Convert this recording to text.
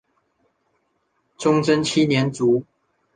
崇祯七年卒。